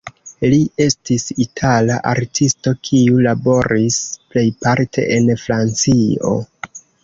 Li estis itala artisto kiu laboris plejparte en Francio.